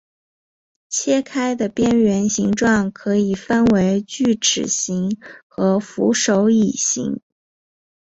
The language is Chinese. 切开的边缘形状可以分为锯齿形和扶手椅形。